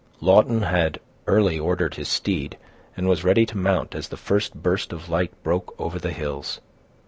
Lawton had early ordered his steed, and was ready to mount as the first burst of light broke over the hills.